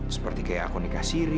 seperti kayak aku nikah siri